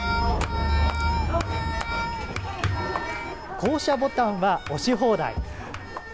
降車ボタンは押し放題。